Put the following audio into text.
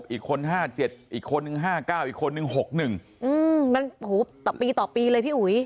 อีกคน๕๗อีกคนนึง๕๙อีกคนนึง๖๑มันต่อปีต่อปีเลยพี่อุ๋ย